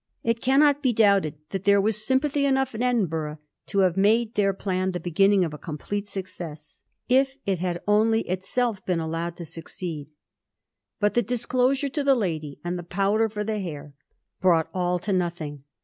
It cannot be doubted that there was sympathy enough in Edinburgh to have made their plan the beginning of a complete success — ^if it had only itself been allowed to succeed. But the dis closure to the lady, and the powder for the hair, brought all to nothing.